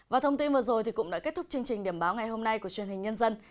và thông tin vừa rồi cũng đã kết thúc chương trình điểm báo ngày hôm nay của truyền hình nhân dân